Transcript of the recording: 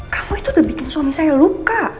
kamu itu udah bikin suami saya luka